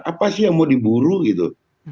apa sih yang mau diburu gitu